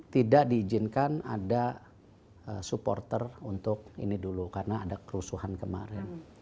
tidak diizinkan ada supporter untuk ini dulu karena ada kerusuhan kemarin